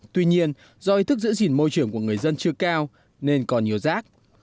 tuy nhiên do ý thức giữ gìn môi trường của người dân chưa cao nên còn nhiều rác